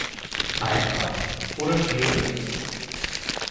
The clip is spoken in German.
Einfach oder schwierig?